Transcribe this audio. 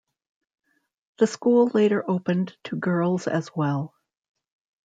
The school later opened to girls as well.